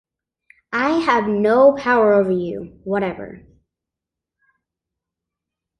I have no power over you whatever.